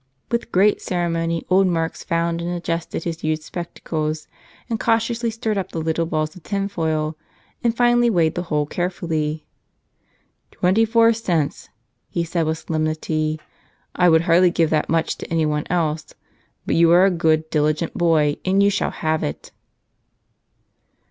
With great ceremony old Marx found and adjusted his huge spectacles, cautiously stirred up the little balls of tinfoil, and finally weighed the whole carefully. "Twenty four cents!" he said, with solemnity. "I would hardly give that much to anyone else, but you are a good, diligent boy, and you shall have it."